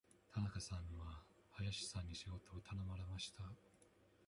田中さんは林さんに仕事を頼まれました。